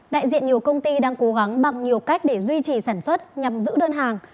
đại diện nhiều công ty đang cố gắng bằng nhiều cách để duy trì sản xuất nhằm giữ đơn hàng